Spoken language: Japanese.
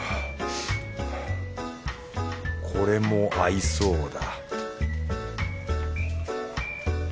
これも合いそうだ